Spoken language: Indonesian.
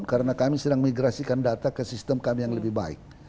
karena kami sedang migrasikan data ke sistem kami yang lebih baik